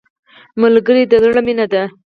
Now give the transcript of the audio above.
ملګری د زړه مینه ده